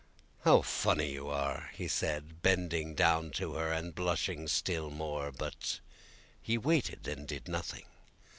"How funny you are!" he said, bending down to her and blushing still more, but he waited and did nothing.